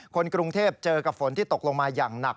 คนกรุงเทพเจอกับฝนที่ตกลงมาอย่างหนัก